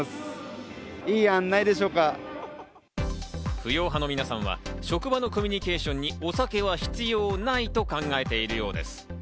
不要派の皆さんは職場のコミュニケーションにお酒は必要ないと考えているようです。